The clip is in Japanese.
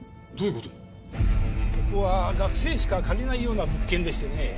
ここは学生しか借りないような物件でしてね。